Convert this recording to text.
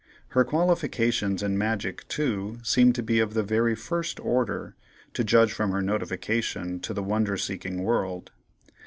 Her qualifications in magic, too, seemed to be of the very first order, to judge from her notification to the wonder seeking world.